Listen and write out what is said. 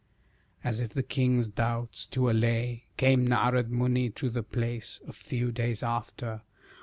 As if the king's doubts to allay, Came Narad Muni to the place A few days after.